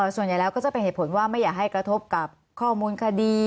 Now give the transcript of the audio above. ส่วนใหญ่แล้วก็จะเป็นเหตุผลว่าไม่อยากให้กระทบกับข้อมูลคดี